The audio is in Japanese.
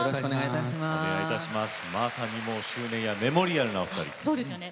まさにメモリアルなお二人。